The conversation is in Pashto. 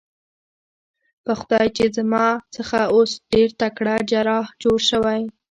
په خدای چې زما څخه اوس ډېر تکړه جراح جوړ شوی.